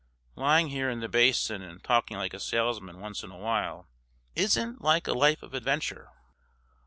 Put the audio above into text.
Lying here in the Basin, and talking like a salesman once in a while, isn't like a life of adventure."